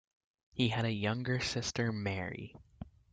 He had a younger sister Mary.